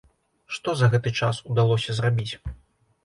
Што за гэты час удалося зрабіць?